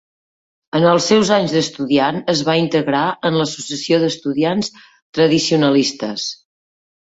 En els seus anys d'estudiant es va integrar en l'Associació d'Estudiants Tradicionalistes.